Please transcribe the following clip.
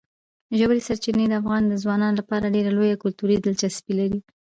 ژورې سرچینې د افغان ځوانانو لپاره ډېره لویه کلتوري دلچسپي لري.